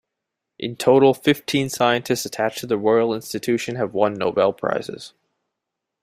In total fifteen scientists attached to the Royal Institution have won Nobel Prizes.